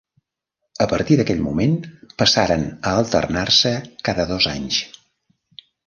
A partir d'aquell moment passaren a alternar-se cada dos anys.